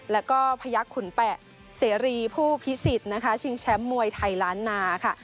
แล้วก็พยักษ์ขุนแปะเสรีผู้พิสิทธิ์นะคะชิงแชมป์มวยไทยล้านนาค่ะ